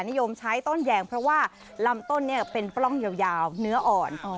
นิยมใช้ต้นแยงเพราะว่าลำต้นเป็นปล้องยาวเนื้ออ่อน